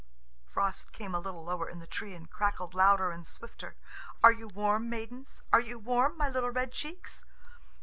Frost came a little lower in the tree, and crackled louder and swifter. "Are you warm, maidens? Are you warm, my little red cheeks?"